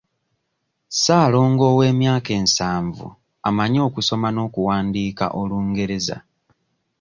Ssaalongo ow'emyaka ensavu amanyi okusoma n'okuwandiika Olungereza.